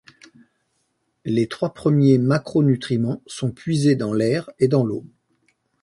Les trois premiers macronutriments sont puisés dans l'air et dans l'eau.